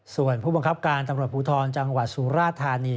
ส่วนผู้บังคับการตำรวจภูทรจังหวัดสุราธานี